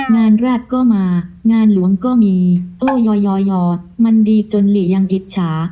แร็ดก็มางานหลวงก็มีโอ้ยอยอยมันดีจนหลียังอิจฉา